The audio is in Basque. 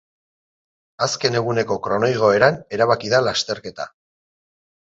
Azken eguneko kronoigoeran erabaki da lasterketa.